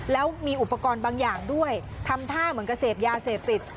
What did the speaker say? แล้วมีอุปกรณ์บางอย่างด้วยทำท่าเหมือนกับเสพยาเสพติด